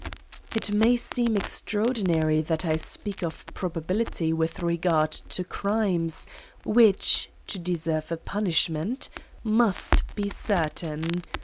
It rnay seeih extraordinary that I Speafc of pro bability with regard to crimes, which to deserve apunishraentj must be certain.